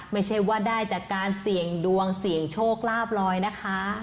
ไม่ใช่ว่าได้แต่การเสี่ยงดวงเสี่ยงโชคลาบลอยนะคะ